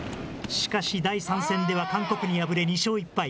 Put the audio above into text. しかし、第３戦では韓国に敗れ、２勝１敗。